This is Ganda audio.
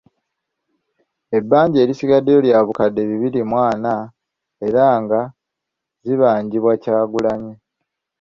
Ebbanja erisigaddeyo lya bukadde bibiri mu ana era nga zibangibwa Kyagulanyi.